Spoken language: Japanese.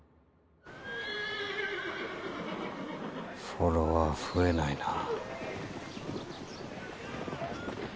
フォロワー増えないなぁ。